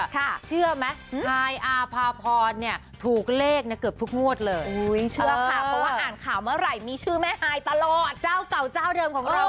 คุณเชื่อ